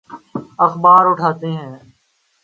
اخبار اٹھاتے ہیں۔